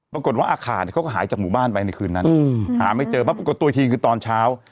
ปรากฏว่าอาคารเขาก็หายจากหมู่บ้านไปในคืนนั้นหาไม่เจอมาปรากฏตัวอีกทีคือตอนเช้า